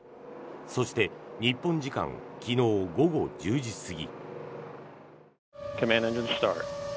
そして日本時間昨日午後１０時過ぎ。